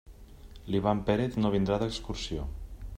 L'Ivan Pérez no vindrà d'excursió.